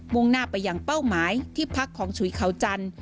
่งหน้าไปอย่างเป้าหมายที่พักของฉุยเขาจันทร์